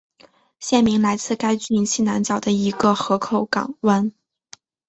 县名来自该郡西南角的一个河口港湾。